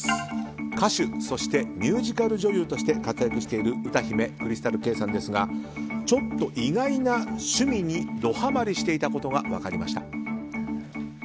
歌手、そしてミュージカル女優として活躍している歌姫ＣｒｙｓｔａｌＫａｙさんですがちょっと意外な趣味にドハマリしていたことが分かりました。